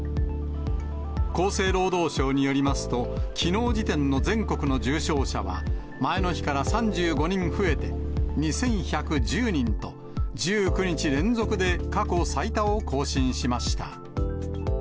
厚生労働省によりますと、きのう時点の全国の重症者は前の日から３５人増えて、２１１０人と、１９日連続で過去最多を更新しました。